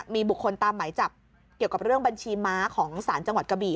มีบุคคลตามหมายจับเกี่ยวกับเรื่องบัญชีม้าของศาลจังหวัดกะบี่